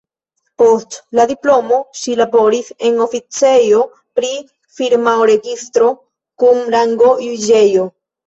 Post la diplomo ŝi laboris en oficejo pri firmaoregistro kun rango juĝejo.